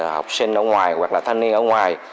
học sinh ở ngoài hoặc là thanh niên ở ngoài